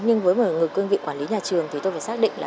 nhưng với một người cương vị quản lý nhà trường thì tôi phải xác định là